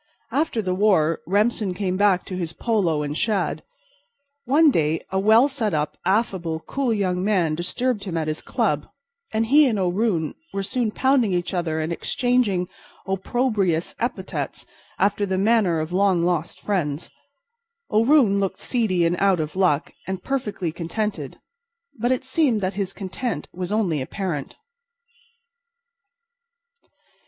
After the war Remsen came back to his polo and shad. One day a well set up, affable, cool young man disturbed him at his club, and he and O'Roon were soon pounding each other and exchanging opprobrious epithets after the manner of long lost friends. O'Roon looked seedy and out of luck and perfectly contented. But it seemed that his content was only apparent.